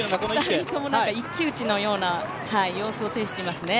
２人とも一騎打ちのような様相を呈してますね。